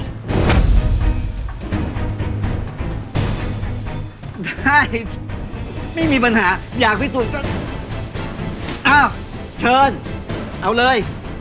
ได้ไม่มีปัญหาอยากพี่ตูนก็อ้าวเชิญเอาเลย